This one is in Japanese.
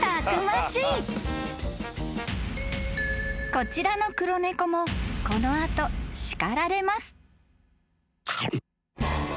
［こちらの黒猫もこの後叱られます］